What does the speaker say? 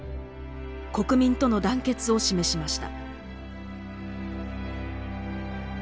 国民との団結を示しました。